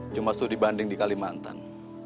jumat tuh dibanding di kalimantan